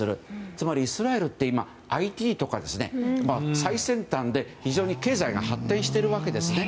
つまりイスラエルって今ＩＴとか最先端で非常に経済が発展しているわけですね。